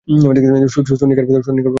Sonic আর ওর বন্ধু এটা ফেলে গিয়েছে।